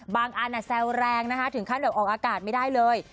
อันแซวแรงนะคะถึงขั้นแบบออกอากาศไม่ได้เลย